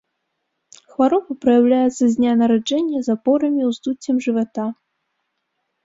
Хвароба праяўляецца з дня нараджэння запорамі, уздуццем жывата.